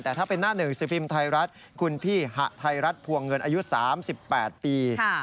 แต่ถ้าเป็นหน้าหนึ่งสิบพิมพ์ไทยรัฐคุณพี่หะไทยรัฐพวงเงินอายุ๓๘ปี